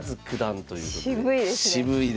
渋いですね。